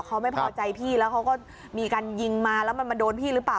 เขาไม่พอใจพี่แล้วเขาก็มีการยิงมาแล้วมันมาโดนพี่หรือเปล่า